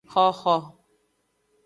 Xoxo.